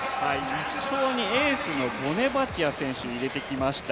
１走にエースのボネバチア選手を入れてきました。